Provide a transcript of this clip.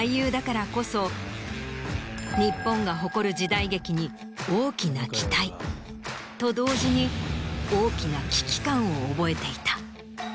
日本が誇る時代劇に大きな期待と同時に大きな危機感を覚えていた。